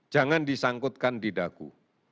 jangan disangkutkan di dagu